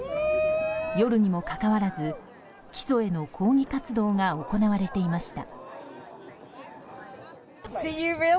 夜にもかかわらず起訴への抗議活動が行われていました。